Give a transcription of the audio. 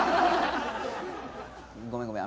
ごめんごめん。